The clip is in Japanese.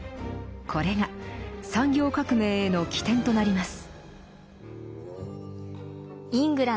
これが産業革命への起点となります。